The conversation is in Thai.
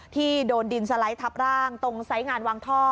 ที่โดนดินสไลด์ทับร่างตรงไซส์งานวางท่อ